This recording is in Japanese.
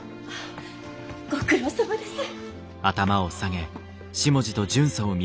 ご苦労さまです。